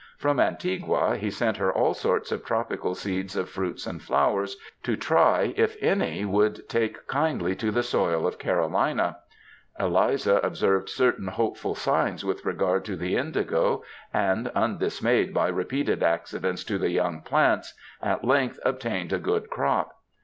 From Antigua he sent her all sorts of tropical seeds of fruits and flowers, to try if any would take kindly to the soil of Carolina. Eliza observed certain hope ful signs with regard to the indigo, and, imdismayed by repeated accidents to the young plants, at length obtained a good crop.